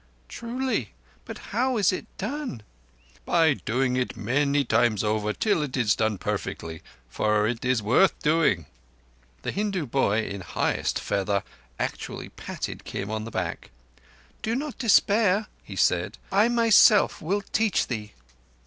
"Truly. But how is it done?" "By doing it many times over till it is done perfectly—for it is worth doing." The Hindu boy, in highest feather, actually patted Kim on the back. "Do not despair," he said. "I myself will teach thee."